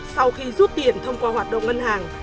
sau khi rút tiền thông qua hoạt động ngân hàng